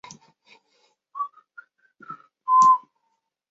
勒图雷。